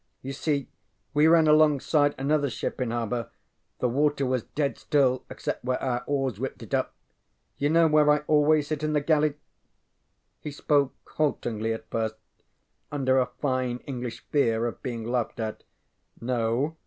You see we ran alongside another ship in harbor. The water was dead still except where our oars whipped it up. You know where I always sit in the galley? ŌĆØ He spoke haltingly at first, under a fine English fear of being laughed at. ŌĆ£No.